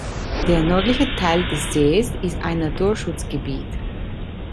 Der nördliche Teil des Sees ist ein Naturschutzgebiet.